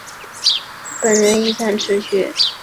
本人亦擅词曲。